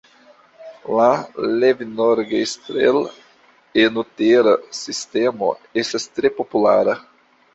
La "levnorgestrel"-enutera sistemo estas tre populara.